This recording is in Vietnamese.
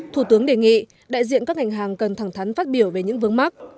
thủ tướng đề nghị đại diện các ngành hàng cần thẳng thắn phát biểu về những vướng mắt